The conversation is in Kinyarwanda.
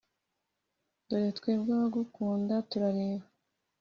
dore twebwe abagukunda, turareba